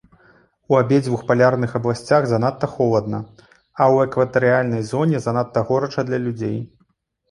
У абедзвюх палярных абласцях занадта холадна, а ў экватарыяльнай зоне занадта горача для людзей.